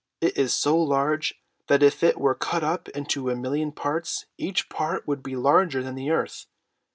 "It is so large that if it were cut up into a million parts, each part would be larger than the earth.